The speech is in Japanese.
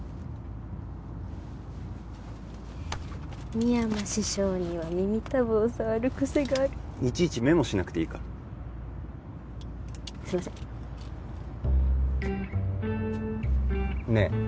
深山師匠には耳たぶを触る癖があるいちいちメモしなくていいからすいませんねえ